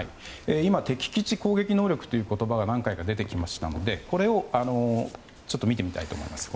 今、敵基地攻撃能力という言葉が何回か出てきましたのでこれを見てみたいと思います。